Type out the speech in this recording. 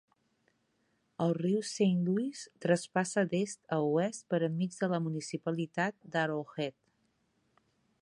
El riu Saint Louis traspassa d'est a oest per enmig de la municipalitat d'Arrowhead.